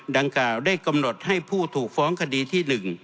ดังกล่าวได้กำหนดให้ผู้ถูกฟ้องคดีที่๑